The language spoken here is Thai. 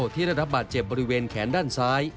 ที่ได้รับบาดเจ็บบริเวณแขนด้านซ้าย